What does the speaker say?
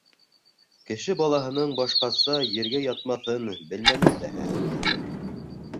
Кеше балаһының башҡаса ергә ятмаҫын белмәнем дәһә.